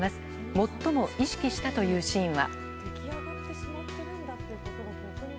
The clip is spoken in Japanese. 最も意識したというシーンは。